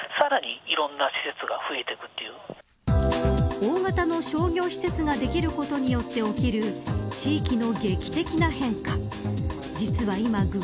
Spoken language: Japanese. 大型の商業施設ができることによって起きる地域の劇的な変化。